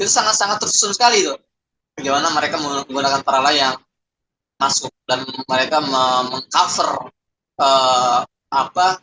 sangat sangat tercium sekali tuh gimana mereka menggunakan para layang dan mengungkap